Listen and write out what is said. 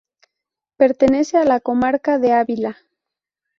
Pertenece a la comarca de Ávila.